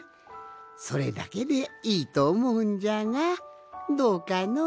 それだけでいいとおもうんじゃがどうかの？